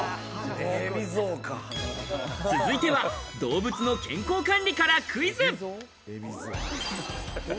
続いては動物の健康管理からクイズ。